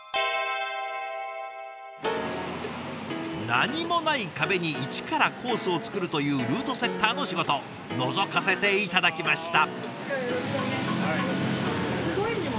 何もない壁に一からコースを作るというルートセッターの仕事のぞかせて頂きました。